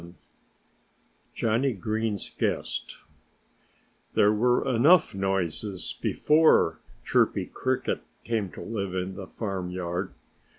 VII JOHNNIE GREEN'S GUEST There were enough night noises before Chirpy Cricket came to live in the farmyard.